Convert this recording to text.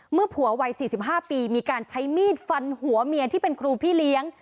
ผัววัย๔๕ปีมีการใช้มีดฟันหัวเมียที่เป็นครูพี่เลี้ยง